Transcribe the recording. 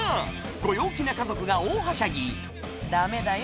ご陽気な家族が大はしゃぎダメだよ